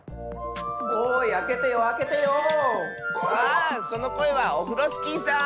あそのこえはオフロスキーさん。